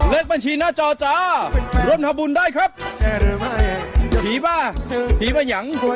เลขบัญชีหน้าจอจ้าร่วมทำบุญได้ครับผีป่ะผีป่ะยัง